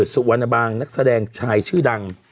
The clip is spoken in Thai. สุวรรณบางนักแสดงชายชื่อดัง